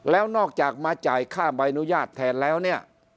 แล้วนอกจากมาจ่ายค่าใบอนุญาตแทนแล้วเนี่ย